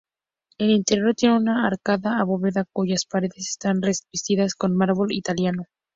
El interior tiene una arcada abovedada cuyas paredes están revestidas con mármol italiano.